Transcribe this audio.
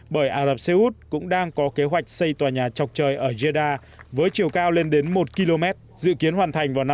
bởi ả rập xê út cũng đang có kế hoạch xây tòa nhà trọc trời ở jeddah với chiều cao lên đến một km dự kiến hoàn thành vào năm hai nghìn một mươi chín